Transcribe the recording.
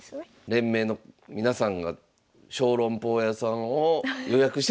連盟の皆さんが小籠包屋さんを予約してたのかもしれないですね。